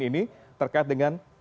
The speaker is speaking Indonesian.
ini terkait dengan